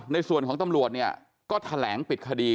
ในส่วนของตำรวจเนี่ยก็แถลงปิดคดี